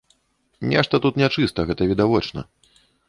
Нешта тут нячыста, гэта відавочна.